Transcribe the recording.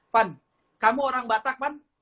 van kamu orang batak pan